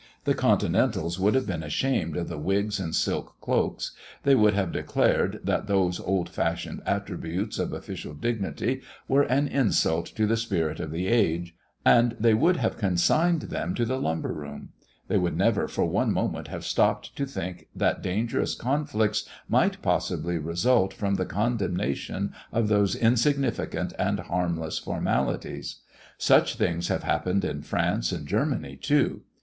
The Continentals would have been ashamed of the wigs and silk cloaks; they would have declared, that those old fashioned attributes of official dignity were an insult to the spirit of the age, and they would have consigned them to the lumber room; they would never for one moment have stopped to think that dangerous conflicts might possibly result from the condemnation of those insignificant and harmless formalities. Such things have happened in France, and in Germany, too.